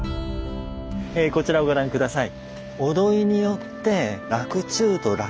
こちらをご覧下さい。